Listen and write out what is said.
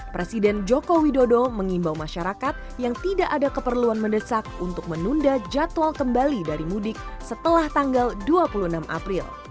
presiden joko widodo mengimbau masyarakat yang tidak ada keperluan mendesak untuk menunda jadwal kembali dari mudik setelah tanggal dua puluh enam april